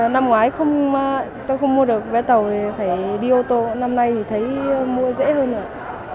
năm ngoái tôi không mua được vé tàu thì phải đi ô tô năm nay thì thấy mua dễ hơn nữa